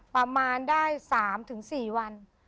ประมาณได้สามถึงสี่วัน